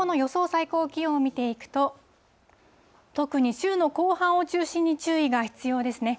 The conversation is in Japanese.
最高気温を見ていくと、特に週の後半を中心に注意が必要ですね。